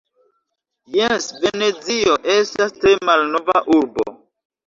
Jes, Venezio estas tre malnova urbo.